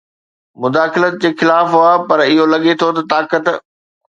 مداخلت جي خلاف هئا پر اهو لڳي ٿو ته طاقت